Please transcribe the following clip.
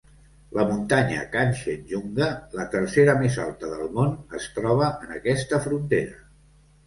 La muntanya Kanchenjunga, la tercera més alta del món, es troba en aquesta frontera.